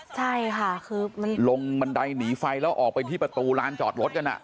ใช่ค่ะคือมันลงบันไดหนีไฟแล้วออกไปที่ประตูลานจอดรถกัน